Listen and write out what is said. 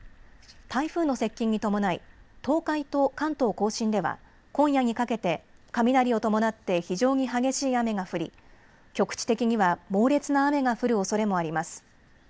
台風の接近に伴い東海と関東甲信では今夜にかけて雷を伴って非常に激しい雨が降り局地的には猛烈な雨が降るおそれもあります。